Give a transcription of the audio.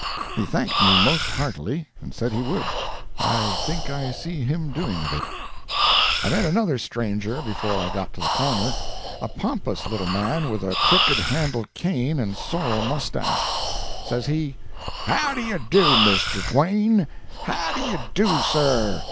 He thanked me most heartily, and said he would. [I think I see him doing of it.] I met another stranger before I got to the corner—a pompous little man with a crooked handled cane and sorrel moustache. Says he, "How do you do, Mr. Twain—how do you do, sir?